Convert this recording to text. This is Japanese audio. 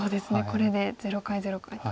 これで０回０回と。